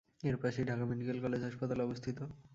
এর পাশেই Dhaka medical college হাসপাতাল অবস্থিত।